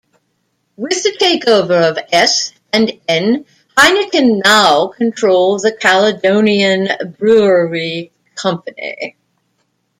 With the takeover of S and N, Heineken now control the Caledonian Brewery Company.